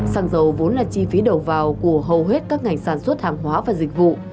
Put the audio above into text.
xăng dầu vốn là chi phí đầu vào của hầu hết các ngành sản xuất hàng hóa và dịch vụ